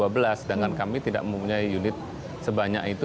sedangkan kami tidak mempunyai unit sebanyak itu